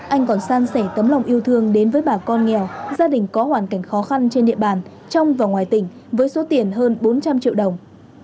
anh còn san sẻ tấm lòng yêu thương đến với bà con nghèo gia đình có hoàn cảnh khó khăn trên địa bàn trong và ngoài tỉnh với số tiền hơn bốn trăm linh triệu đồng